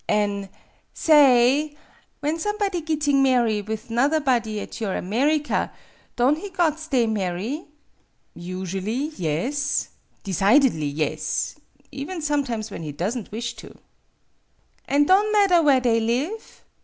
'' An' sa ay f When somebody gitting marry with 'nother body at your America, don' he got stay, marry ?" "Usually yes; decidedly yes; even sometimes when he does n't wish to." " An' don' madder where they live